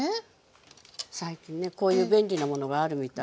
最近ねこういう便利なものがあるみたいです。